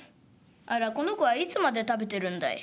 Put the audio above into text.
あらこの子はいつまで食べてるんだい」。